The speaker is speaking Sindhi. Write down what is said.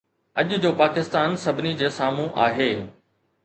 اڄ جو پاڪستان سڀني جي سامهون آهي.